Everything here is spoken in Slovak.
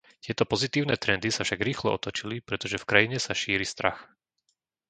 Tieto pozitívne trendy sa však rýchlo otočili, pretože v krajine sa šíri strach.